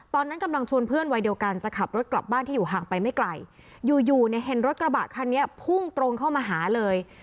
ตอนนั้นกำลังชวนเพื่อนวัยเดียวกันจะขับรถกลับบ้านที่อยู่ห่างไปไม่ไกลอยู่อยู่เนี่ยเห็นรถกระบะคันนี้พุ่งตรงเข้ามาหาเลย